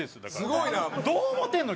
どう思うてんの？